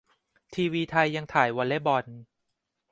ทีวีไทยยังถ่ายวอลเล่ย์บอล